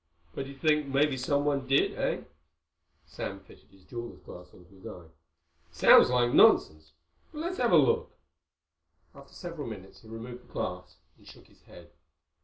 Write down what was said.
"But you think maybe someone did, eh?" Sam fitted his jeweler's glass into his eye. "It sounds like nonsense, but let's have a look." After several minutes he removed the glass and shook his head.